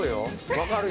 分かるよ。